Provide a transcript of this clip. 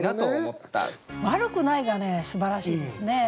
「わるくない」がすばらしいですね。